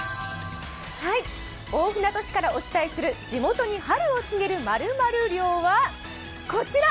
大船渡市からお伝えする「地元に春を告げる○○漁」はこちら。